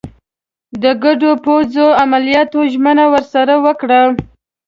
د ګډو پوځي عملیاتو ژمنه ورسره وکړه.